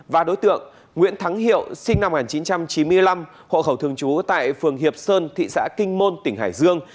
và đối tượng nguyễn thắng hiệu sinh năm một nghìn chín trăm chín mươi năm hộ khẩu thường trú tại phường hiệp sơn thị xã kinh môn tỉnh hải dương